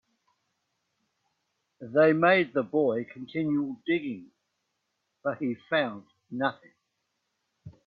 They made the boy continue digging, but he found nothing.